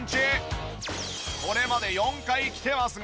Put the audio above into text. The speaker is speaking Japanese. これまで４回来てますが。